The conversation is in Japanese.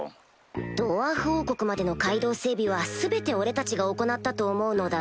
ドワーフ王国までの街道整備は全て俺たちが行ったと思うのだが